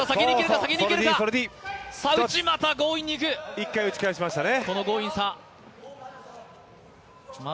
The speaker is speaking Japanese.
一回、打ち返しましたね。